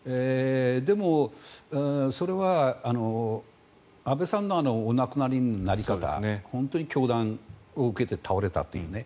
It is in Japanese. でも、それは安倍さんのお亡くなり方本当に凶弾を受けて倒れたというね。